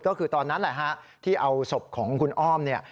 ก็คือตอนนั้นแหละฮะที่เอาศพของคุณอ้อมเนี่ย